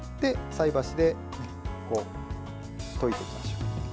菜箸で溶いておきましょう。